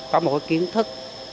có một kiến thức